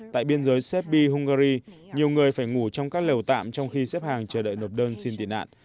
tại biên giới serbie hungary nhiều người phải ngủ trong các lều tạm trong khi xếp hàng chờ đợi nộp đơn xin tị nạn